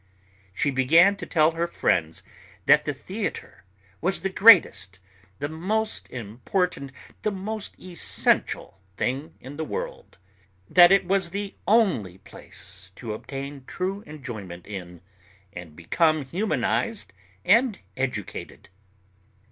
She began to tell her friends that the theatre was the greatest, the most important, the most essential thing in the world, that it was the only place to obtain true enjoyment in and become humanised and educated.